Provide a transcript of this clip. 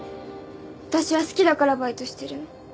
私は好きだからバイトしてるの。